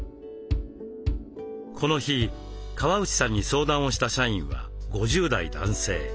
この日川内さんに相談をした社員は５０代男性。